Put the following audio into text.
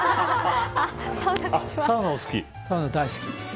サウナ大好き。